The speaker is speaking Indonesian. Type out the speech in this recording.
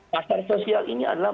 pasar sosial ini adalah